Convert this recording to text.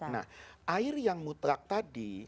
nah air yang mutlak tadi